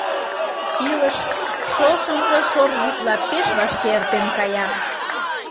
Илыш шошымсо шорвӱдла пеш вашке эртен кая.